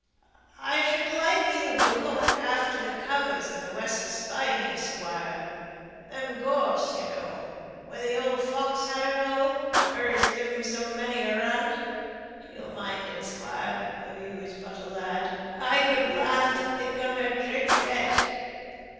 I should like you to look after th' covers in th' West Spinney, Squire; them gorse, you know, where th' old fox had her hole her as give 'em so many a run. You'll mind it, Squire, though you was but a lad. I could laugh to think on her tricks yet."